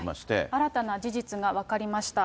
新たな事実が分かりました。